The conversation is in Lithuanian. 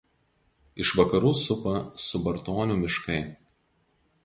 Iš vakarų supa Subartonių miškai.